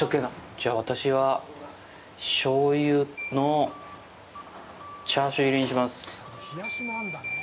じゃあ、私は「しょうゆ」のチャーシュー入りにします。